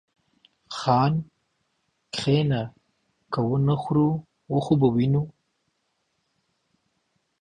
خان! کښينه که ونه خورو و خو به وينو.